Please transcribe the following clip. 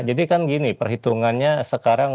jadi kan gini perhitungannya sekarang